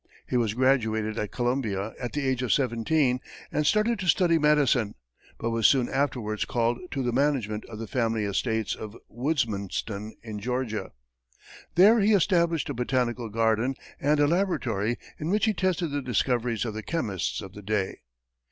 He was graduated at Columbia at the age of seventeen and started to study medicine, but was soon afterwards called to the management of the family estates of Woodsmanston, in Georgia. There he established a botanical garden and a laboratory in which he tested the discoveries of the chemists of the day.